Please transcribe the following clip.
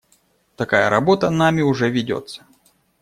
Такая работа нами уже ведется.